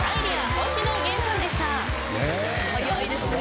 早いですね。